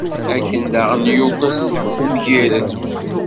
Akken daɣen yuget umgired.